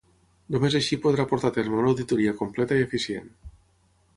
Només així podrà portar a terme una auditoria completa i eficient.